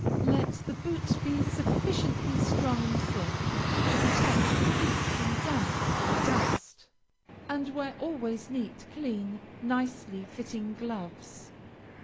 Let the boots be sufficiently strong and thick to protect the feet from damp or dust, and wear always neat, clean, nicely fitting gloves.